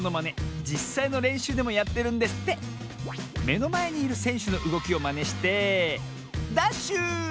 めのまえにいるせんしゅのうごきをマネしてダッシュ！